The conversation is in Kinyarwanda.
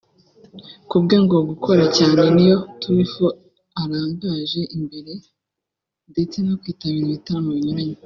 Kubwe ngo gukora cyane niyo turufu arangaje imbere ndetse no kwitabira ibitaramo binyuranye